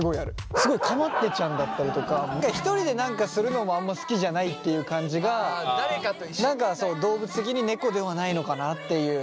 すごいかまってちゃんだったりとか一人で何かするのもあんま好きじゃないっていう感じが動物的に猫ではないのかなっていう。